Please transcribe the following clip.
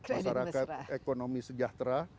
masyarakat ekonomi sejahtera